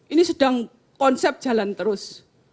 ini konsep actual dan terus